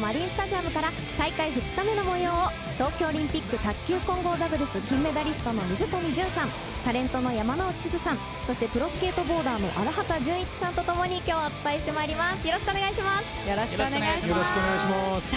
マリンスタジアムから大会２日目の模様を東京オリンピック卓球混合ダブルス金メダリストの水谷隼さん、タレントの山之内すずさん、そしてプロスケートボーダーの荒畑潤一さんとともに今日はお伝えします。